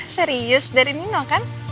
serius dari nino kan